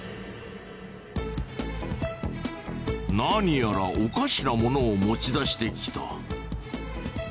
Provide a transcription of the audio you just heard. なにやらおかしなものを持ち出してきた。